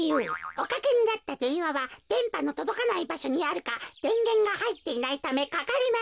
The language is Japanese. おかけになったでんわはでんぱのとどかないばしょにあるかでんげんがはいっていないためかかりません。